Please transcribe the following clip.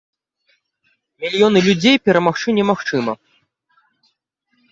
Мільёны людзей перамагчы немагчыма!